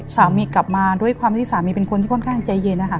สามีกลับมาด้วยความที่สามีเป็นคนที่ค่อนข้างใจเย็นนะคะ